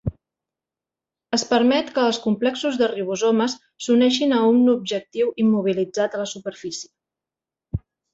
Es permet que els complexos de ribosomes s'uneixin a un objectiu immobilitzat a la superfície.